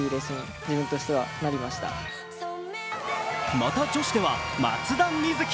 また女子では松田瑞生。